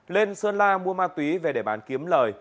lên sơn la mua ma túy về để bán kiếm lời